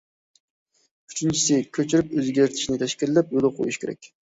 ئۈچىنچىسى، كۆچۈرۈپ ئۆزگەرتىشنى تەشكىللەپ يولغا قويۇش كېرەك.